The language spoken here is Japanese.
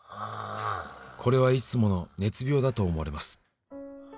「これはいつもの熱病だと思われます」